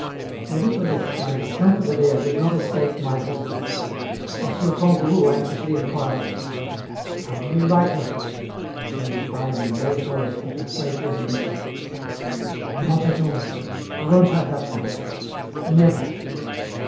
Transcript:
Nevertheless, my discomfited air does not escape my visitors. M. Kangourou anxiously inquires: "How do you like her?" And I reply in a low voice, but with great resolution: "Not at all! I won't have that one. Never!"